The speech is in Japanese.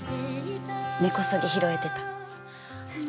根こそぎ拾えてた。